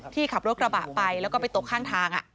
ขับรถกระบะไปแล้วก็ไปตกข้างทาง